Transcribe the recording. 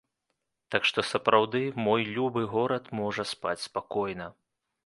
Так што сапраўды, мой любы горад можа спаць спакойна.